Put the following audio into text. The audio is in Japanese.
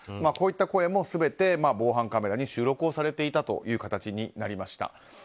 こういった声も全て防犯カメラに収録されていた形になりました。